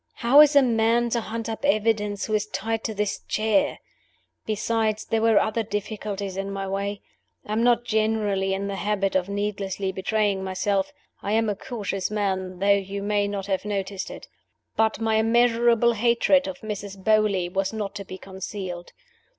"How is a man to hunt up evidence who is tied to this chair? Besides, there were other difficulties in my way. I am not generally in the habit of needlessly betraying myself I am a cautious man, though you may not have noticed it. But my immeasurable hatred of Mrs. Beauly was not to be concealed.